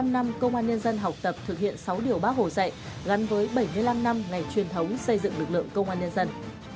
một mươi năm năm công an nhân dân học tập thực hiện sáu điều bác hồ dạy gắn với bảy mươi năm năm ngày truyền thống xây dựng lực lượng công an nhân dân